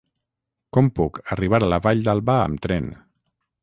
Com puc arribar a la Vall d'Alba amb tren?